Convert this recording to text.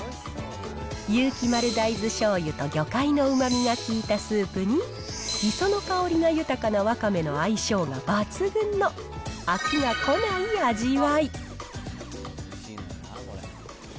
有機丸大豆しょうゆと魚介のうまみが効いたスープに、磯の香りが豊かなわかめの相性が抜群の飽きがこない味わい。